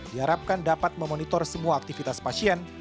diharapkan dapat memonitor semua aktivitas pasien